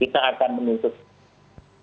kita akan menuntut